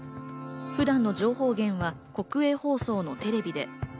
普段の情報源は国営放送のテレビで。